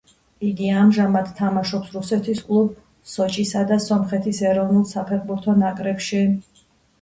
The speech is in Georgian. იგი ამჟამად თამაშობს რუსეთის კლუბ სოჭისა და სომხეთის ეროვნულ საფეხბურთო ნაკრებში.